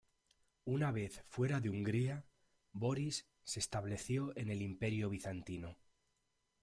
Una vez fuera de Hungría, Boris se estableció en el Imperio bizantino.